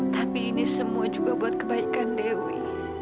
tapi ini semua juga buat kebaikan dewi